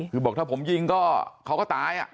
คือบอกถ้าผมยิงก็เขาก็ตาย